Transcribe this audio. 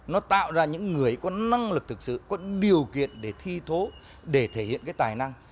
nó tạo ra những người có năng lực thực sự có điều kiện để thi thố để thể hiện cái tài năng